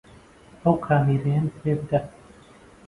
ئەو کامێرایەم پێ بدە.